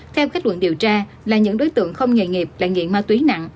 theo khách luận điều tra là những đối tượng không nghề nghiệp là nghiện ma túy nặng